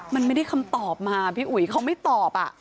มันไม่ได้คำตอบมาพี่อุ๋ยเขาไม่ตอบ